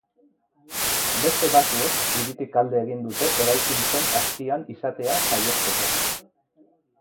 Beste batzuek hiritik alde egin dute eraikuntzen azpian izatea saihesteko.